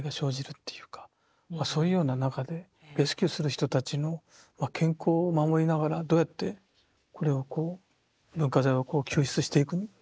そういうような中でレスキューする人たちの健康を守りながらどうやってこれをこう文化財を救出していく。